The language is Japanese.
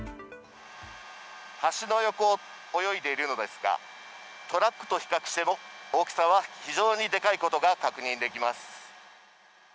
橋の横を泳いでいるのですが、トラックと比較しても大きさは非常にでかいことが確認できます。